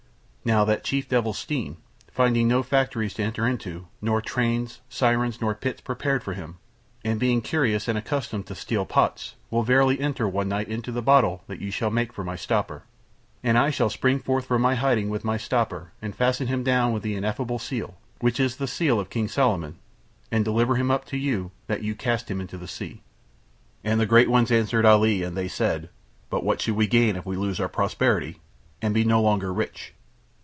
Now that chief devil, Steam, finding no factories to enter into, nor no trains, sirens nor pits prepared for him, and being curious and accustomed to steel pots, will verily enter one night into the bottle that you shall make for my stopper, and I shall spring forth from my hiding with my stopper and fasten him down with the ineffable seal which is the seal of King Solomon and deliver him up to you that you cast him into the sea." And the great ones answered Ali and they said: "But what should we gain if we lose our prosperity and be no longer rich?"